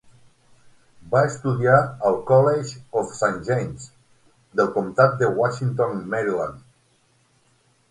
Va estudiar al College of Saint James del comtat de Washington, Maryland.